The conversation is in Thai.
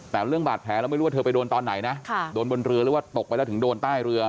แต่เรื่องบาดแผลเราไม่รู้ว่าเธอไปโดนตอนไหนนะโดนบนเรือหรือว่าตกไปแล้วถึงโดนใต้เรือ